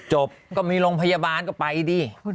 ก็มีโรงพยาบาลก็ไปดิ